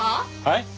はい？